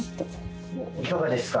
いかがですか？